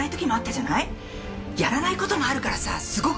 やらない事もあるからさすごく。